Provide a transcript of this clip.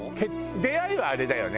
出会いはあれだよね。